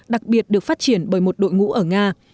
đặc biệt được phát triển bởi một đội ngũ ở nga